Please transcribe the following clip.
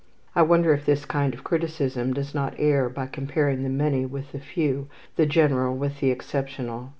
I wonder if this kind of criticism does not err by comparing the many with the few, the general with the exceptional.